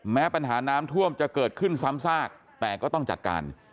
แม้ปัญหาน้ำท่วมจะเกิดขึ้นซ้ำซากแต่ก็ต้องจัดการ